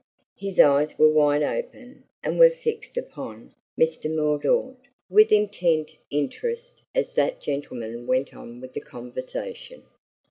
His eyes were wide open and were fixed upon Mr. Mordaunt with intent interest as that gentleman went on with the conversation.